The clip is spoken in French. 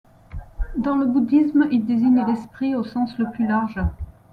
Dans le bouddhisme, il désigne l'esprit au sens le plus large.